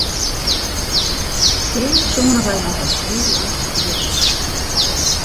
Dêr soenen we noch in heel lang petear oer ha kinne.